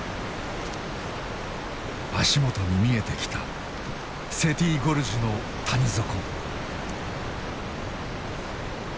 足元に見えてきたセティ・ゴルジュの谷底。